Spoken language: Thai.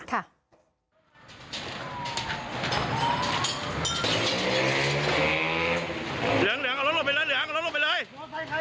เหลืองเอาเร็วลงไปเลยเอาเร็วลงไปเลยใครอ่ะ